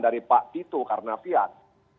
dari pak tito karnaviat